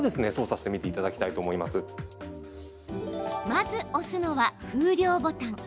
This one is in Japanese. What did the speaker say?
まず押すのは風量ボタン。